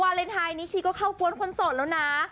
วาเลนไทยนิชิก็เข้ากวนคนโสดแล้วนะ